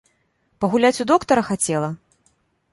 Пагуляць у доктара хацела?